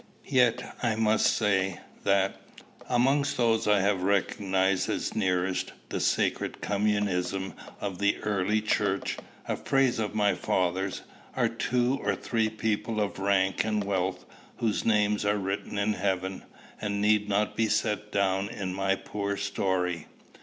Yet I must say, that, amongst those I have recognized as nearest, the sacred communism of the early church a phrase of my father's are two or three people of rank and wealth, whose names are written in heaven, and need not be set down in my poor story.